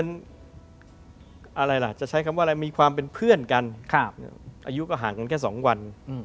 ก็บังเอิญจะใช้คำว่าอะไรอายุก็ห่างกันแค่๒วัน